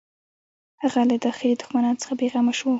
هغه له داخلي دښمنانو څخه بېغمه شو.